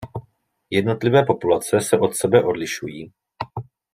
Jednotlivé populace se od sebe odlišují.